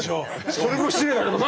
それも失礼だけどな！